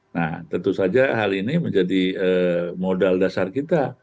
nah tentu saja hal ini menjadi modal dasar kita